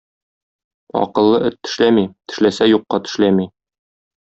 Акыллы эт тешләми, тешләсә, юкка тешләми.